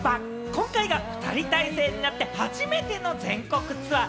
今回が２人体制になって初めての全国ツアー。